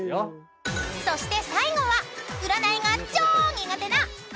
［そして最後は占いが超苦手な松岡アニキ！］